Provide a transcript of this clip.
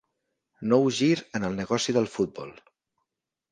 Nou gir en el negoci del futbol.